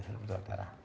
di luar daerah